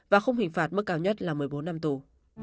và không hình phạt mức cao nhất là một mươi bốn năm tù